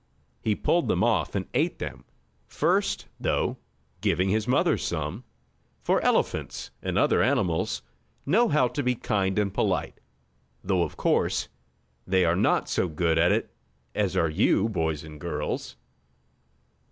He pulled them off and ate them, first, though, giving his mother some. For elephants, and other animals, know how to be kind and polite, though of course, they are not so good at it as are you boys and girls.